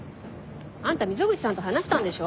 あんた溝口さんと話したんでしょ？